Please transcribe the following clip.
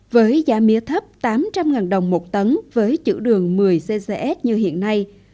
với giá mía thấp tám trăm linh đồng một tấn với chữ đường một mươi ccs như hiện nay